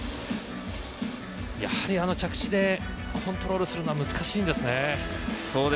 やはりあの着地でコントロールするのは難しいんですね。